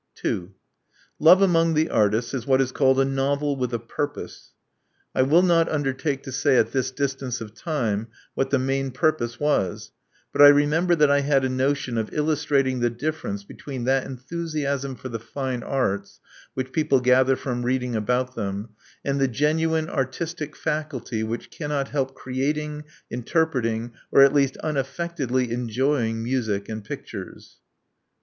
" 2. Love among the Artists" is what is called a novel with a purpose. I will not undertake to say at this distance of time what the main ^ purpose was; but I remember that I had a notion of illustrating the difference between that enthusiasm for the fine arts which people gather from reading about them, and the genuine artistic faculty which cannot help creating, interpreting, or at least unaffectedly enjoying music and pictures.